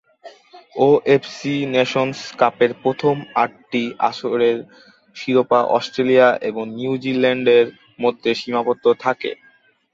OFC Nations কাপের প্রথম আটটি আসরের শিরোপা অস্ট্রেলিয়া এবং নিউজিল্যান্ডের মধ্যে সীমাবদ্ধ থাকে।